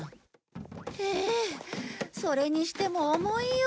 ヒイそれにしても重いよ。